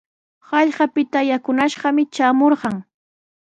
Hallqapita yakunashqami traamurqan.